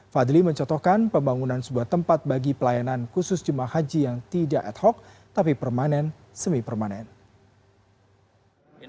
fadli mencotokkan pembangunan sebuah tempat bagi pelayanan khusus jemaah haji yang tidak ad hoc tapi permanen semi permanen